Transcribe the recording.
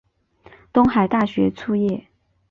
东海大学卒业。